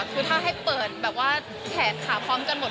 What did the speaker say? คือถ้าให้เปิดแบบว่าแขนขาพร้อมกันหมด